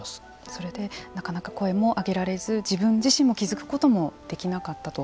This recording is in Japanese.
それで、なかなか声も上げられず、自分自身も気付くこともできなかったと。